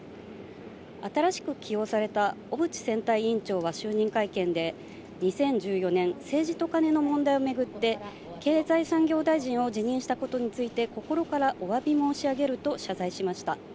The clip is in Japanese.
新しく起用された小渕選対委員長は就任会見で、２０１４年、政治とカネの問題を巡って、経済産業大臣を辞任したことについて、心からおわび申し上げると謝罪しました。